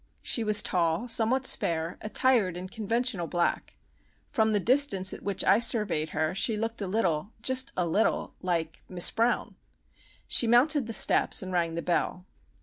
She was tall, somewhat spare, attired in conventional black. From the distance at which I surveyed her she looked a little, just a little, like—Miss Brown! She mounted the steps and rang the bell.